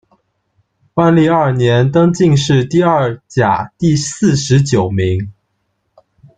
万历二年，登进士第二甲第四十九名。